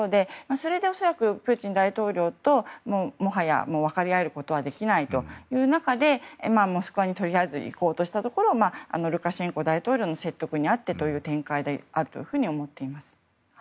それで恐らくプーチン大統領ともはや分かり合えることはできないという中でモスクワにとりあえず行こうとしたところルカシェンコ大統領の説得にあってという展開になったと思っています。